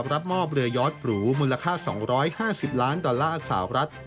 รับมอบเรือยอดหรูมูลค่า๒๕๐ล้านดอลลาร์สาวรัฐ